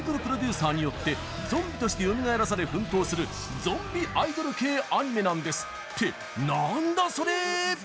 サーによってゾンビとしてよみがえらされ奮闘するゾンビアイドル系アニメなんですって、なんだそれ！